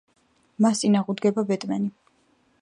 მას წინ აღუდგება ბეტმენი.